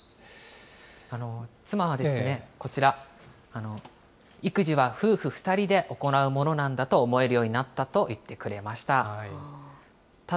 妻は、こちら、育児は夫婦２人で行うものなんだと思えるようになったと言ってくれました。